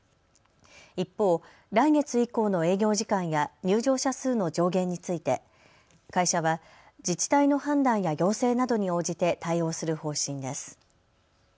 一方、来月以降の営業時間や入場者数の上限について会社は自治体の判断や要請などに応じて対応する方針です。